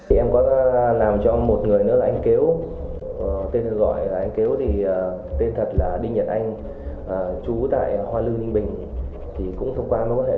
em có làm cho một người nữa là anh kếu tên thật gọi là anh kếu tên thật là đinh nhật anh trú tại hoa lưu ninh bình